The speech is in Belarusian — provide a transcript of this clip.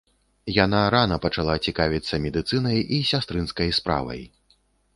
Яна рана пачала цікавіцца медыцынай і сястрынскай справай.